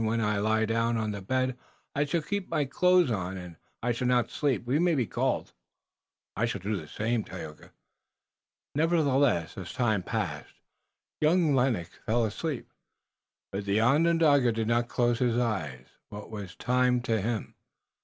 When I lie down on the bed I shall keep my clothes on, and I shall not sleep. We may be called." "I shall do the same, Tayoga." Nevertheless, as time passed, young Lennox fell asleep, but the Onondaga did not close his eyes. What was time to him?